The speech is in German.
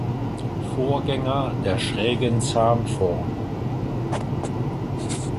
Vorgänger der schrägen Zahnform.